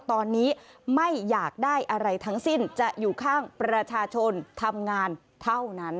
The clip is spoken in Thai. ตอนนี้ไม่อยากได้อะไรทั้งสิ้นจะอยู่ข้างประชาชนทำงานเท่านั้น